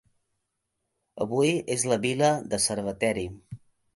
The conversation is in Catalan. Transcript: Avui és la vila de Cerveteri.